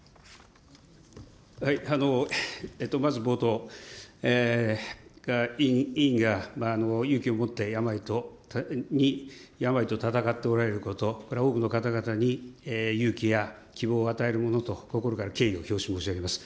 まず冒頭、委員が勇気を持って病と闘っておられること、これは多くの方々に勇気や希望を与えるものと、心から敬意を表し申し上げます。